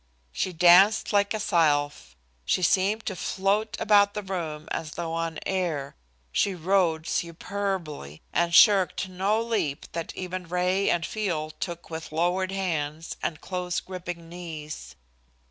She danced like a sylph; she seemed to float about the room as though on air; she rode superbly, and shirked no leap that even Ray and Field took with lowered hands and close gripping knees.